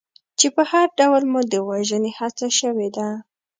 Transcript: چې په هر ډول مو د وژنې هڅه شوې ده.